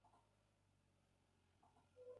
La pareja vive unida de por vida.